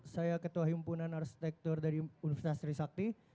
saya ketua himpunan arsitektur dari universitas trisakti